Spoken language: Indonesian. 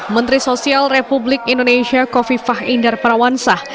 menteri sosial republik indonesia kofifah indar parawansah